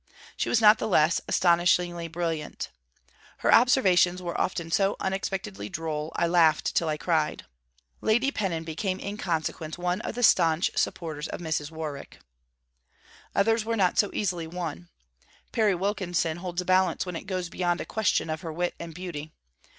She was not the less 'astonishingly brilliant.' Her observations were often 'so unexpectedly droll I laughed till I cried.' Lady Pennon became in consequence one of the stanch supporters of Mrs. Warwick. Others were not so easily won. Perry Wilkinson holds a balance when it goes beyond a question of her wit and beauty.